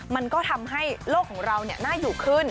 มันก็ทำให้โลกของเราน่าอยู่ขึ้น